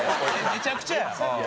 めちゃくちゃや。